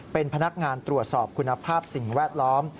เป็นพนักงานตรวจสอบคุณภาพสิ่งแวดล้อม